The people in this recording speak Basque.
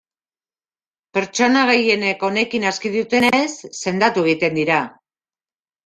Pertsona gehienek honekin aski dutenez, sendatu egiten dira.